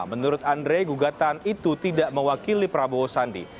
menurut andre gugatan itu tidak mewakili prabowo sandi